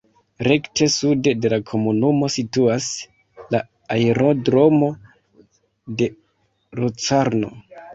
Rekte sude de la komunumo situas la aerodromo de Locarno.